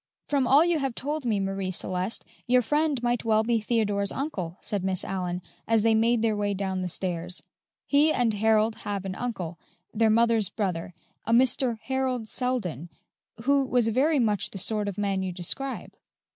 "From all you have told me, Marie Celeste, your friend might well be Theodore's uncle," said Miss Allyn, as they made their way down the stairs; "he and Harold have an uncle their mother's brother a Mr. Harold Selden, who was very much the sort of man you describe."